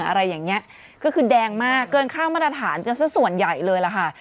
อะไรอย่างนี้ก็คือแดงมากเกินข้ามมาตรฐานกันสักส่วนใหญ่เลยล่ะค่ะ